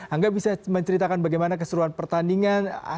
angga bisa menceritakan bagaimana keseruan pertandingan